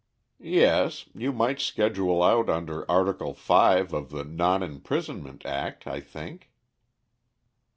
"Yes; you might schedule out under article 5 of the Non Imprisonment Act, I think."